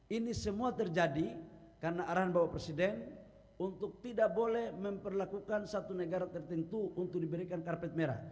ini semua terjadi karena arahan bapak presiden untuk tidak boleh memperlakukan satu negara tertentu untuk diberikan karpet merah